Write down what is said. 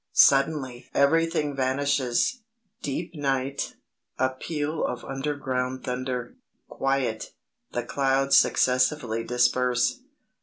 Suddenly everything vanishes. Deep night; a peal of underground thunder. Quiet. The clouds successively disperse.